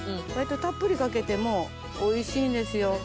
割とたっぷりかけてもおいしいんですよ。